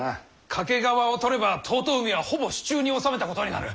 懸川を取れば遠江はほぼ手中に収めたことになる。